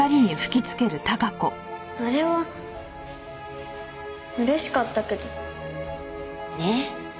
あれは嬉しかったけど。ね？